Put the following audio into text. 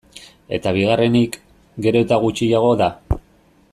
Eta bigarrenik, gero eta gutxiago da.